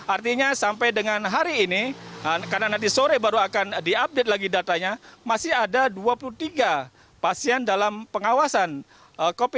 artinya sampai dengan hari ini karena nanti sore baru akan di update lagi datanya masih ada dua puluh tiga pasien dalam pengawasan covid sembilan belas yang juga tersebar di lima rumah sakit rujukan termasuk yang masih ada di rumah sakit khusus untuk covid sembilan belas